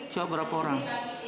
coba berapa orang